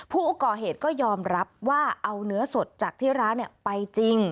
ผู้ก่อเหตุก็ยอมรับว่าเอาเนื้อสดจากที่ร้านไปจริง